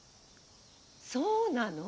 そうなの？